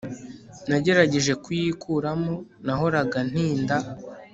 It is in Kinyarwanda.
nagerageje kuyikuramo, nahoraga ntinda